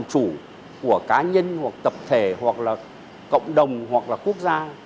chủ của cá nhân hoặc tập thể hoặc là cộng đồng hoặc là quốc gia